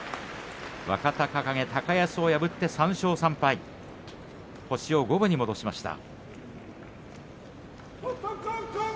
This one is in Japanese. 若隆景、高安を破って３勝３敗星を五分に戻しました。